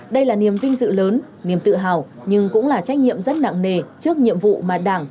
đây là niềm vinh dự lớn niềm tự hào nhưng cũng là trách nhiệm rất nặng nề trước nhiệm vụ mà đảng